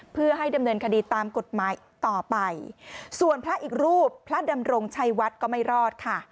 เพื่อให้ดำเนินคดีตามกฎหมายต่อไปส่วนพระอีกรูปพระดำรงชัยวัดก็ไม่รอดค่ะ